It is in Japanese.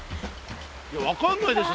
いや分かんないでしょ